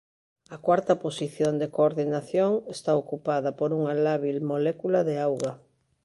A cuarta posición de coordinación está ocupada por unha lábil molécula de auga.